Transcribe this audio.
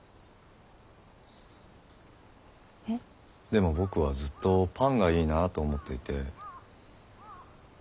でも僕はずっとパンがいいなぁと思っていて。